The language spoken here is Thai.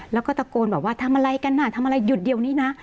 แล้วก็ตะโกนบอกว่าทำอะไรกันน่ะทำอะไรหยุดเดียวนี้นะ